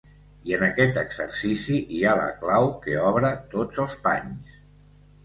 I en aquest exercici hi ha la clau que obre tots els panys.